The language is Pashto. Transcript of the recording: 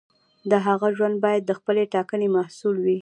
د هغه ژوند باید د خپلې ټاکنې محصول وي.